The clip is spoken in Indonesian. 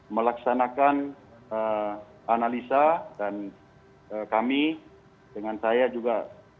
melaksanakan analisa dan kami dengan saya juga